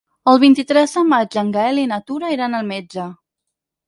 El vint-i-tres de maig en Gaël i na Tura iran al metge.